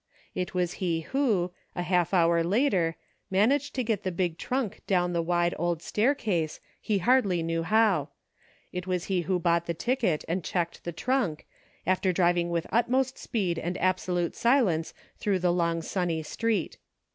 It was he who, a half hour later, managed to get the big trunk down the wide old staircase, he hardly knew how ; it was he who bought the ticket and checked the trunk, after driving with utmost speed and absolute silence through the long sunny street.